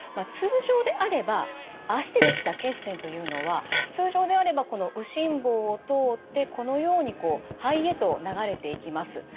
通常であれば脚でできた血栓というのは通常であればこの右心房を通ってこのようにこう肺へと流れていきます。